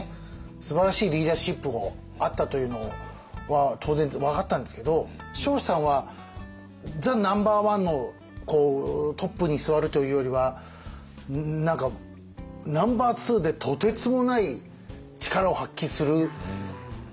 すばらしいリーダーシップをあったというのは当然分かったんですけど彰子さんはザ・ナンバーワンのトップに座るというよりは何かナンバーツーでとてつもない力を発揮する人かなという気もしました